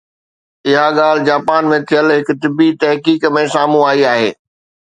اها ڳالهه جاپان ۾ ٿيل هڪ طبي تحقيق ۾ سامهون آئي آهي